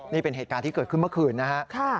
นี่เป็นเหตุการณ์ที่เกิดขึ้นเมื่อคืนนะครับ